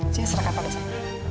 sini serahkan pak besar